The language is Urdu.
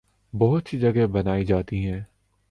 بہت سی جگہیں بنائی جاتی